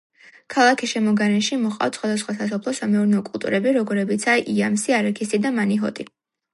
ქალაქის შემოგარენში მოჰყავთ სხვადასხვა სასოფლო-სამეურნეო კულტურები, როგორებიცაა: იამსი, არაქისი და მანიჰოტი.